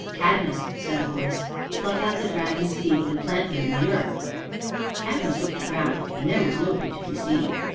"Cadmus," said a voice, "pluck out the dragon's teeth and plant them in the earth." Cadmus looked round and there was nobody to be seen.